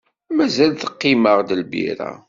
Mazal teqqim-aɣ-d lbira?